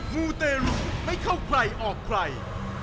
มูเตรุไม่เข้าใครออกใคร